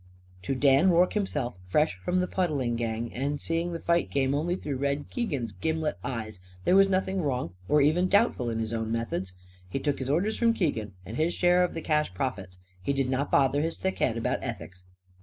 To Dan Rorke himself fresh from the puddling gang, and seeing the fight game only through Red Keegan's gimlet eyes there was nothing wrong or even doubtful in his own methods. He took his orders from Keegan; and his share of the cash profits. He did not bother his thick head about ethics.